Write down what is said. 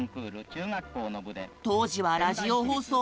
当時はラジオ放送。